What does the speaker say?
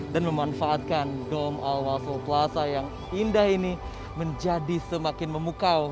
dan memanfaatkan dom al wasel plaza yang indah ini menjadi semakin memukau